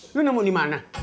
lu nemu dimana